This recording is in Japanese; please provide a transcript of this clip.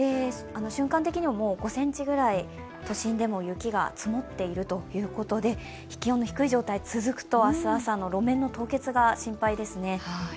瞬間的には５ｃｍくらい都心でも雪が積もっているということで、気温の低い状態が続くと明日朝の路面の凍結が心配ですね。